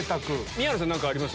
宮野さん何かあります？